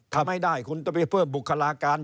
ทำให้ได้คุณต้องเพิ่มบุคลาการ